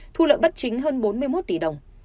thu lợi bất chính hơn bốn mươi một tỷ đồng